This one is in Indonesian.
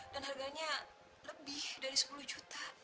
dan harganya lebih dari sepuluh juta